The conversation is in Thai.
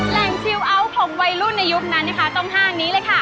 คิวเอาท์ของวัยรุ่นในยุคนั้นนะคะต้องห้างนี้เลยค่ะ